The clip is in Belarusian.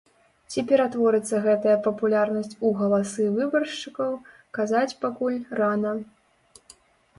Ці ператворыцца гэтая папулярнасць у галасы выбаршчыкаў казаць пакуль рана.